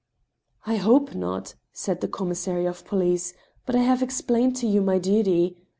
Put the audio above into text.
*• I hope not," said the commissary of police, but I have ex plained to you my duty.